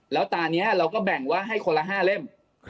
แล้วตอนนี้เราก็แบ่งว่าให้คนละ๕เล่ม